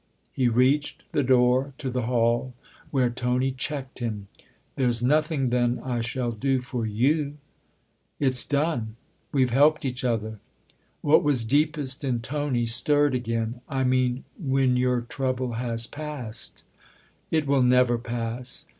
He reached the door to the hall, where Tony checked him. " There's nothing, then, I shall do for you ?"" It's done. We've helped each other." What was deepest in Tony stirred again. " I mean when your trouble has passed." " It will never pass.